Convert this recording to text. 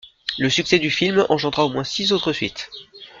Le succès du film engendra au moins six autres suites.